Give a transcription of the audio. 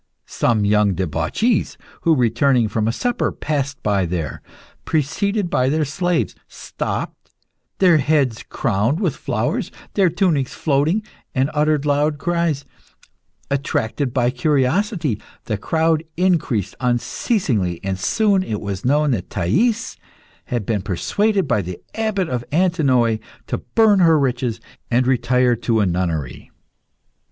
Some young debauchees, who, returning from a supper, passed by there, preceded by their slaves, stopped, their heads crowned with flowers, their tunics floating, and uttered loud cries. Attracted by curiosity, the crowd increased unceasingly, and soon it was known that Thais had been persuaded by the Abbot of Antinoe to burn her riches and retire to a nunnery.